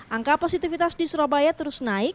angka positifitas di surabaya terus naik